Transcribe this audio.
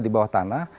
di bawah tanah